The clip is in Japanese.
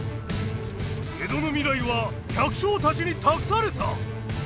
江戸の未来は百姓たちに託された！